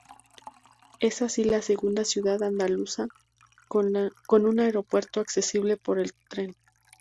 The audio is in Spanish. Es así la segunda ciudad andaluza con un aeropuerto accesible por tren.